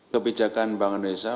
kebijakan bank indonesia